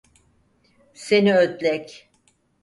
Seni ödlek!